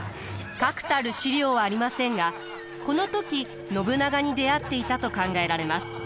確たる史料はありませんがこの時信長に出会っていたと考えられます。